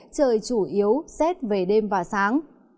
trời chủ yếu xét về đêm và sáng